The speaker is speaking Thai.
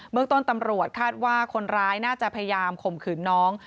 เมืองต้นตำรวจคาดว่าคนร้ายน่าจะพยายามข่มขืนน้อง